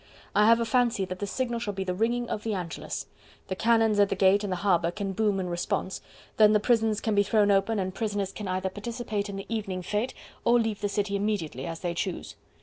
I have a fancy that the signal shall be the ringing of the Angelus: the cannons at the gates and the harbour can boom in response; then the prisons can be thrown open and prisoners can either participate in the evening fete or leave the city immediately, as they choose.